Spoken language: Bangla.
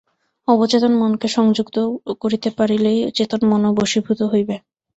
অবচেতন-মনকে সংযত করিতে পারিলেই চেতন মনও বশীভূত হইবে।